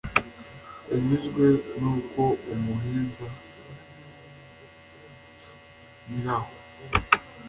yanyuzwe n’uko umuhinza nyiraho